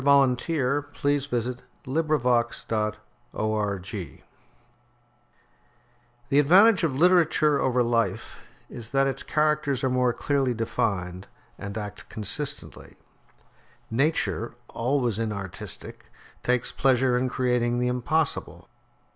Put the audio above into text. REGINALD BLAKE, FINANCIER AND CAD The advantage of literature over life is that its characters are clearly defined, and act consistently. Nature, always inartistic, takes pleasure in creating the impossible.